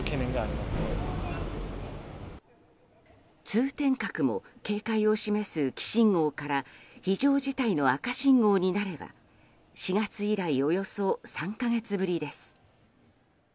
通天閣も警戒を示す黄信号から非常事態の赤信号になれば４月以来およそ３か月ぶりです。